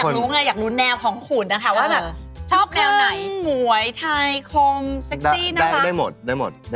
ที่รู้สึกว่าคนนี้โดนใจสุด